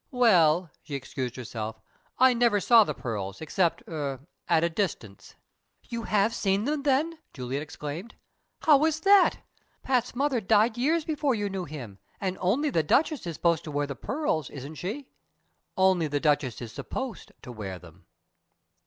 "Well," she excused herself, "I never saw the pearls, except er at a distance." "You have seen them, then?" Juliet exclaimed. "How was that? Pat's mother died years before you knew him, and only the Duchess is supposed to wear the pearls, isn't she?" "Only the Duchess is supposed to wear them."